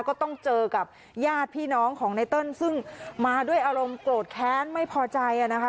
ก็ต้องเจอกับญาติพี่น้องของไนเติ้ลซึ่งมาด้วยอารมณ์โกรธแค้นไม่พอใจนะคะ